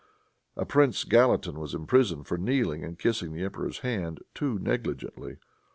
A prince Gallatin was imprisoned for "kneeling and kissing the emperor's hand too negligently."